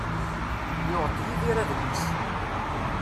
Yuɣ-d Yidir adlis.